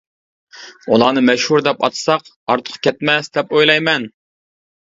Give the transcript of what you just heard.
ئۇلارنى مەشھۇر دەپ ئاتساق ئارتۇق كەتمەس دەپ ئويلايمەن.